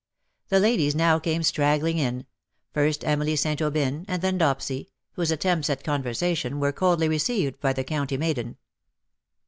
The ladies now came straggling in — first Emily St. Aubyn, and then Dopsy, whose attempts at conversation were coldly received by the county maiden.